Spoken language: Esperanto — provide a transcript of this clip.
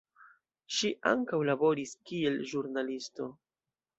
Ŝi ankaŭ laboris kiel ĵurnalisto.